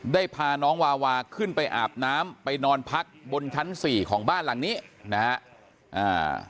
พาน้องวาวาขึ้นไปอาบน้ำไปนอนพักบนชั้นสี่ของบ้านหลังนี้นะฮะอ่า